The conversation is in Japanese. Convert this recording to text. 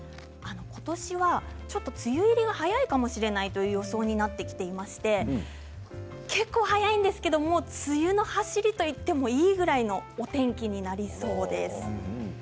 ことしはちょっと梅雨入りが早いかもしれないという予想になってきていまして結構早いんですけどもう梅雨の走りと言ってもいいぐらいのお天気になりそうです。